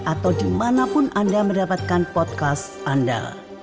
atau dimanapun anda mendapatkan podcast anda